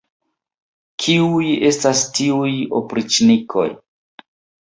Kiuj estas tiuj opriĉnikoj!